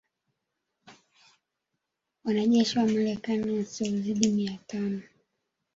Wanajeshi wa Marekani wasiozidi mia tano